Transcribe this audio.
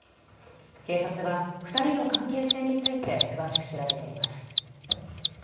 警察は２人の関係性について詳しく調べています。